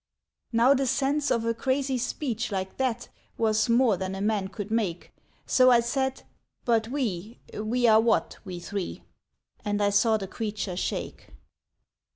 " Now the sense of a crazy speech like that Was more than a man could make ; So I said, " But we — we are what, we three ? And I saw the creature shake.